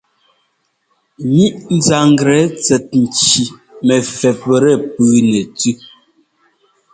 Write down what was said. Ŋíʼ nzanglɛ tsɛt nci mɛ fɛptɛ puu nɛ tʉ́.